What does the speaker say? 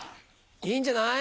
いいんじゃない？